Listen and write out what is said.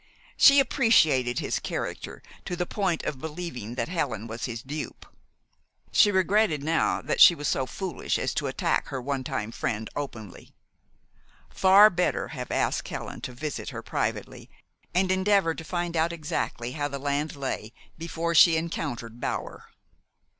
She appreciated his character to the point of believing that Helen was his dupe. She regretted now that she was so foolish as to attack her one time friend openly. Far better have asked Helen to visit her privately, and endeavor to find out exactly how the land lay before she encountered Bower.